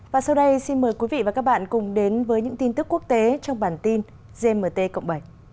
và sau đây xin mời quý vị và các bạn cùng đến với những tin tức quốc tế trong bản tin gmt cộng bảy